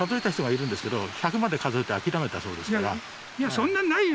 いやそんなないよ！